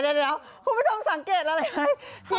เดี๋ยวคุณผู้ชมสังเกตอะไรไหม